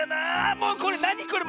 もうこれなにこれ！